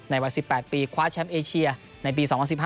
วัย๑๘ปีคว้าแชมป์เอเชียในปี๒๐๑๕